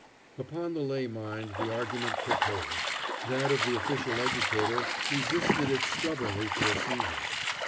Upon the lay mind the argument took hold; that of the official educator resisted it stubbornly for a season.